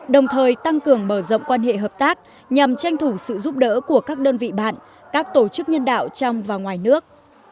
đồng thời tăng cường mở rộng quan hệ hợp tác nhằm tranh thủ sự giúp đỡ của các đơn vị bạn các tổ chức nhân đạo trong và ngoài nước